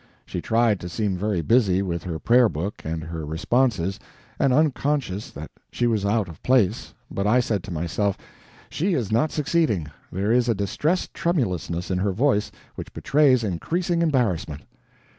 She tried to seem very busy with her prayer book and her responses, and unconscious that she was out of place, but I said to myself, "She is not succeeding there is a distressed tremulousness in her voice which betrays increasing embarrassment."